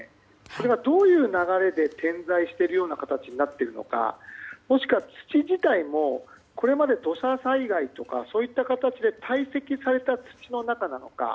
これが、どういう流れで点在している形になっているのかもしくは土自体もこれまで土砂災害とかそういった形で堆積された土の中なのか。